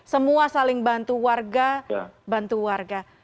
semua saling bantu warga bantu warga